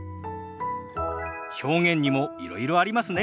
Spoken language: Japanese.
表現にもいろいろありますね。